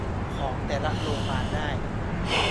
ของแต่ละโรงพยาบาลได้